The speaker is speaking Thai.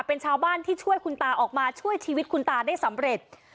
เป็นชาวบ้านที่ช่วยคุณตาออกมาช่วยชีวิตคุณตาได้สำเร็จ